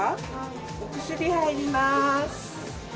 お薬入ります。